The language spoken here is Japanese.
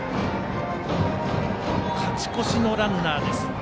勝ち越しのランナーです。